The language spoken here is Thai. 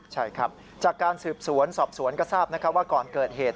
ใช่ครับจากการสืบสวนสอบสวนก็ทราบว่าก่อนเกิดเหตุ